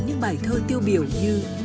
những bài thơ tiêu biểu như